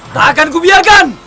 tak akan kubiarkan